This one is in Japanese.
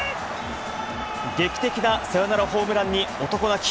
劇的なサヨナラホームランに男泣き。